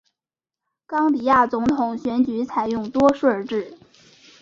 冈比亚总统选举采用多数制。